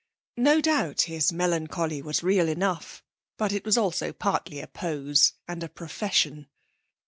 No doubt his melancholy was real enough, but it was also partly a pose and a profession.